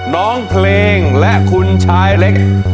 น้องเพลงและคุณชายเล็ก